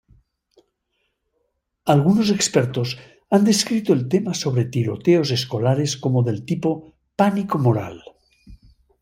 Algunos expertos han descrito el tema sobre tiroteos escolares como del tipo "pánico moral".